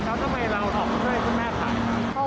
แล้วทำไมเราทำเพื่อให้คุณแม่ขาย